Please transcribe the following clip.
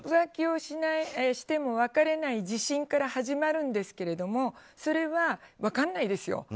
浮気をしても別れない自信から始まるんですけれどもそれは、分からないですよ。